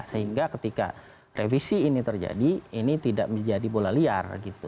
sehingga ketika revisi ini terjadi ini tidak menjadi bola liar gitu